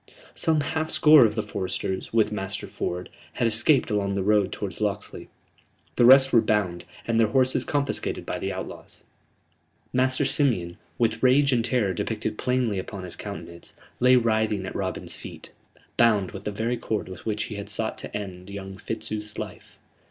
Some half score of the foresters, with Master Ford, had escaped along the road towards Locksley: the rest were bound, and their horses confiscated by the outlaws. Master Simeon, with rage and terror depicted plainly upon his countenance, lay writhing at Robin's feet, bound with the very cord with which he had sought to end young Fitzooth's life.